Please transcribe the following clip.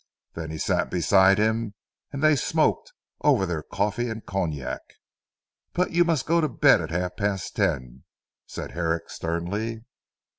Then he sat beside him and they smoked over their coffee and cognac. "But you must go to bed at half past ten," said Herrick sternly.